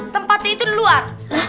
tempatnya itu di luar